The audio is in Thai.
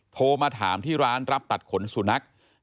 โทรมาถามที่ร้านรับตัดขนสุนัข